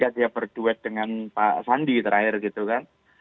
dia berduet dengan pak sandi terakhir gitu kan